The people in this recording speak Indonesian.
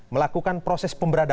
melakukan proses pemberadaban